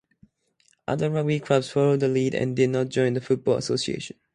Other rugby clubs followed this lead and did not join the Football Association.